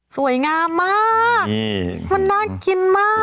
สวยงามมากมันน่ากินมาก